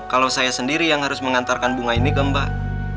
kalau saya sendiri yang harus mengantarkan bunga ini ke mbak